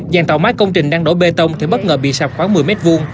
dàn tàu máy công trình đang đổ bê tông thì bất ngờ bị sập khoảng một mươi m hai